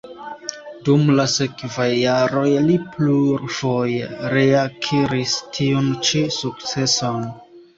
Dum la sekvaj jaroj li plurfoje reakiris tiun ĉi sukceson.